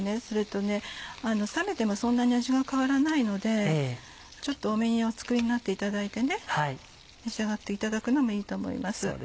それと冷めてもそんなに味が変わらないのでちょっと多めにお作りになっていただいて召し上がっていただくのもいいと思います。